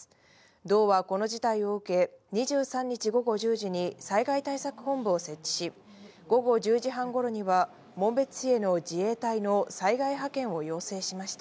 道はこの事態を受け、２３日午後１０時に災害対策本部を設置し、午後１０時半ごろには、紋別市への自衛隊の災害派遣を要請しました。